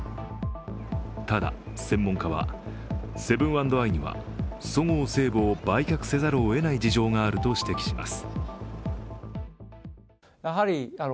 ただ、専門家はセブン＆アイにはそごう・西武を売却せざるをえない事情があると指摘します。